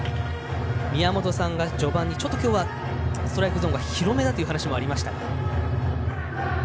宮本さんが序盤にきょうはちょっとストライクゾーンが広めだという話がありました。